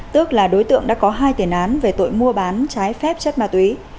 tức là đối tượng đã có hai tiền án về tội mua bán trái phép chất ma túy